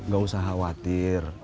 gak usah khawatir